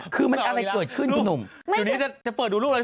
คือมันอะไรเกิดขึ้นลุง